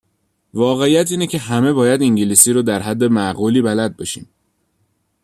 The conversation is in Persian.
واقعیت اینه که همه باید انگلیسی رو در حد معقولی بلد باشیم.